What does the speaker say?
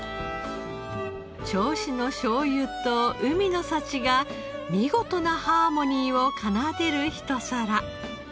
銚子のしょうゆと海の幸が見事なハーモニーを奏でるひと皿。